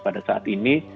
pada saat ini